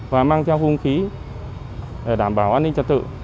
và mang theo hung khí để đảm bảo an ninh trật tự